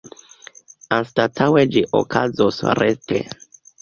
Anstataŭe ĝi okazos rete.